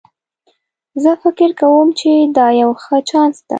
زه فکر کوم چې دا یو ښه چانس ده